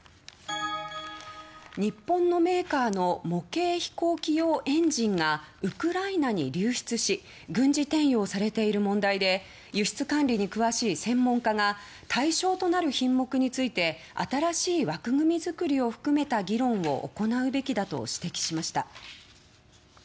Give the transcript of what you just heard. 日本のメーカーの模型飛行機用エンジンがウクライナに流出し軍事転用されている問題で輸出管理に詳しい専門家が対象となる品目について新しい枠組み作りを含めた議論を行うべきだと指摘しました。